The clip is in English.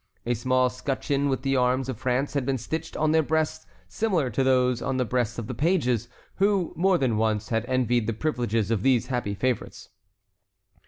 A small scutcheon with the arms of France had been stitched on their breasts similar to those on the breasts of the pages, who, more than once, had envied the privileges of these happy favorites.